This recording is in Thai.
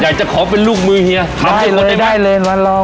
อยากจะขอเป็นลูกมือเฮียได้เลยได้เลยลองเลย